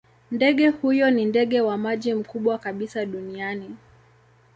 Ndege huyo ni ndege wa maji mkubwa kabisa duniani.